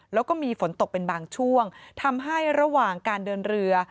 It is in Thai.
แล้วก็มีฝนตกเป็นบางช่วงทำให้ระหว่างการเดินเรือ